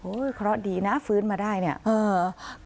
โอ้ยเขารอดีนะฟื้นมาได้เนี่ย